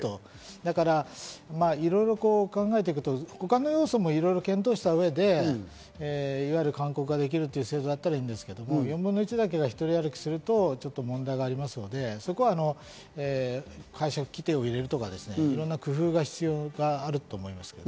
いろいろ考えていくと他の要素もいろいろ検討した上で、いわゆる勧告ができるという制度だったらいいんですけど、４分の１だけが独り歩きすると問題がありますので、解釈規定を入れるとかいろんな工夫が必要があると思います。